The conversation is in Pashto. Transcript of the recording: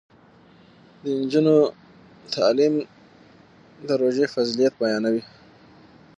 د نجونو تعلیم د روژې فضیلت بیانوي.